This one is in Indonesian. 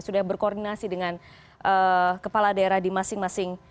sudah berkoordinasi dengan kepala daerah di masing masing